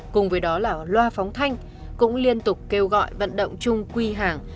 cùng với đó là loa phóng thanh cũng liên tục kêu gọi vận động trung quy hẳng